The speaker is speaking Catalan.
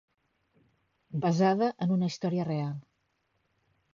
Basada en una història real.